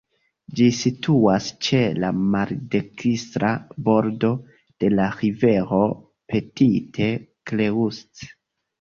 Ĝi situas ĉe la maldekstra bordo de la rivero Petite Creuse.